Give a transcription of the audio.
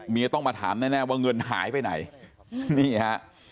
ต้องมาถามแน่ว่าเงินหายไปไหนนี่ฮะ